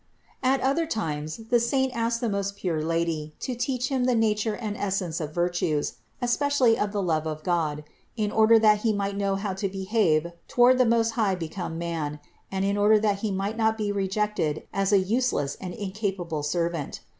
At other times the saint asked the most pure Lady to teach him the nature and essence of virtues, especially of the love of God, in order that he might know how to behave toward the Most High become man and in order that he might not be rejected as a useless and incapable servant.